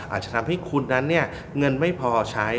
อาจจะทำให้คุณนั้นเงินไม่พอใช้